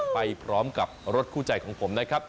ไปพร้อมกับรถคู่ใจของผมนะครับ